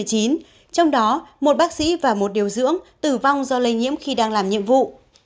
trong đó một bác sĩ và một điều dưỡng tử vong do lây nhiễm khi đang làm nhiệm vụ